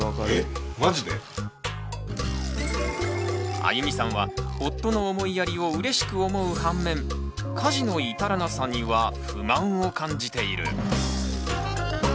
あゆみさんは夫の思いやりをうれしく思う反面家事の至らなさには不満を感じている。